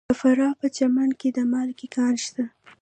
د فراه په پرچمن کې د مالګې کان شته.